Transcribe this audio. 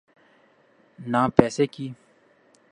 نہ پیسے کی۔